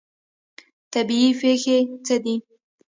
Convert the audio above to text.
طبیعي پیښې څه دي؟